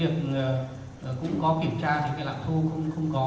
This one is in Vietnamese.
cũng có kiểm tra những lạm thu không có